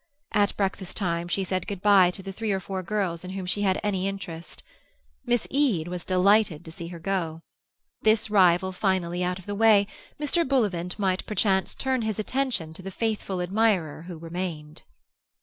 At breakfast time she said good bye to the three or four girls in whom she had any interest. Miss Eade was delighted to see her go. This rival finally out of the way, Mr. Bullivant might perchance turn his attention to the faithful admirer who remained.